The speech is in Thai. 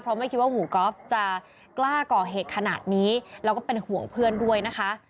เพราะไม่คิดว่าหมู่กอล์ฟจะกล้าก่อเหตุขนาดนี้แล้วก็เป็นห่วงเพื่อนด้วยนะคะ